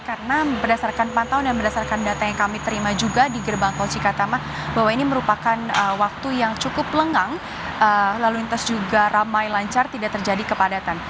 karena berdasarkan pantau dan berdasarkan data yang kami terima juga di gerbang kolci katama bahwa ini merupakan waktu yang cukup lengang lalu lintas juga ramai lancar tidak terjadi kepadatan